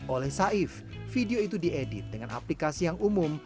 oleh saif video itu diedit dengan aplikasi yang umum